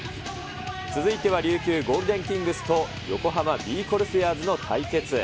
続いては琉球ゴールデンキングスと、横浜ビー・コルセアーズの対決。